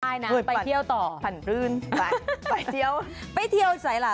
อ่าอื้อไปเที่ยวต่อผ่านรื่นไปเดี๋ยวไปเที่ยวใส่ล่ะ